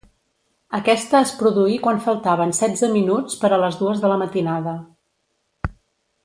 Aquesta es produí quan faltaven setze minuts per a les dues de la matinada.